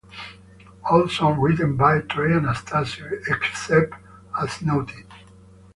All songs written by Trey Anastasio, except as noted.